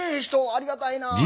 ありがたいな。